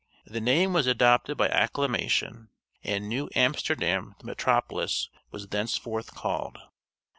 The name was adopted by acclamation, and New Amsterdam the metropolis was thenceforth called.